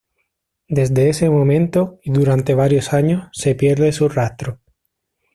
Desde ese momento, y durante varios años, se pierde su rastro.